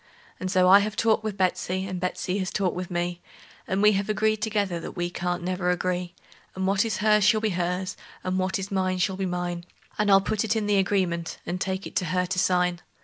And so I have talked with Betsey, and Betsey has talked with me, And we have agreed together that we can't never agree; And what is hers shall be hers, and what is mine shall be mine; And I'll put it in the agreement, and take it to her to sign.